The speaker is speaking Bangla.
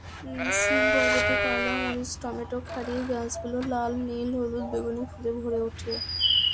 শিম, বরবটি, করলা, মরিচ, টমেটো, ক্ষীরার গাছগুলোও লাল-নীল-হলুদ-বেগুনি ফুলে ভরে ওঠে।